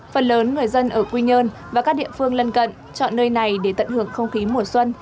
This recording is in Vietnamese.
phần lớn người dân ở quy nhơn và các địa phương lân cận chọn nơi này để tận hưởng không khí mùa xuân